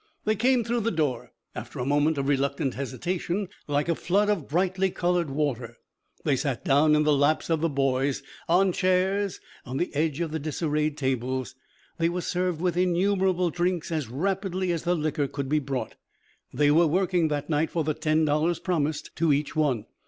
They came through the door, after a moment of reluctant hesitation, like a flood of brightly colored water. They sat down in the laps of the boys, on chairs, on the edge of the disarrayed tables. They were served with innumerable drinks as rapidly as the liquor could be brought. They were working, that night, for the ten dollars promised to each one.